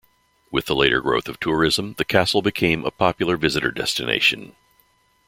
With the later growth of tourism, the castle became a popular visitor destination.